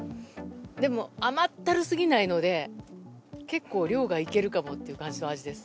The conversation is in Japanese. でも甘ったるすぎないので結構、量がいけるかもという感じの味です。